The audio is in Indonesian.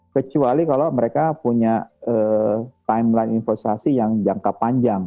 kecuali kalau mereka punya timeline investasi yang jangka panjang